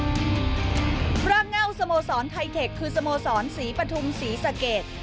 ร่างเง่าสโมสรไทเทคคือสโมสรศรีปฐุมศรีสะเกด